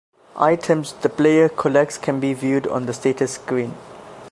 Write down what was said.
Items the player collects can be viewed on the status screen.